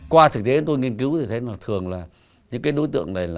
qua thực tế tôi nghiên cứu thì thấy thường là những đối tượng này